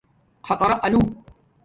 خَقارا لُوہ